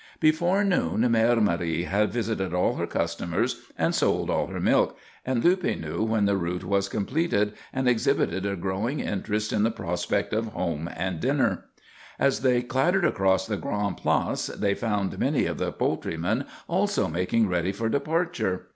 Before noon Mère Marie had visited all her customers and sold all her milk, and Luppe knew when the route was completed and exhibited a growing interest in the prospect of home and dinner. As they clattered across the Grande Place they found many of the poultrymen also making ready for departure.